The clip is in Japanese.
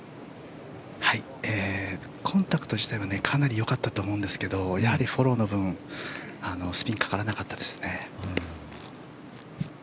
コンタクト自体はかなりよかったと思いますがやはりフォローの分スピンがかからなかったですね。